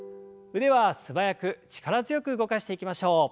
腕は素早く力強く動かしていきましょう。